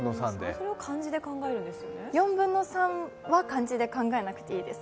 ４分の３は漢字で考えなくていいです。